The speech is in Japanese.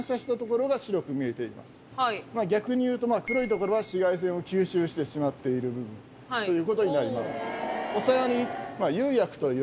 逆に言うと黒いところは紫外線を吸収してしまっている部分ということになります